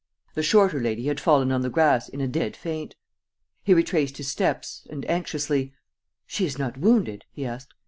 The shorter lady had fallen on the grass in a dead faint. He retraced his steps and, anxiously: "She is not wounded?" he asked.